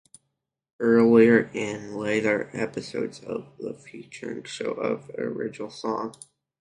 Earlier- and later- episodes of the show featured an original song.